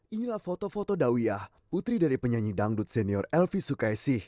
inilah foto foto dawiyah putri dari penyanyi dangdut senior elvi sukaisih